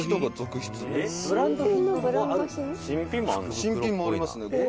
「新品もありますね」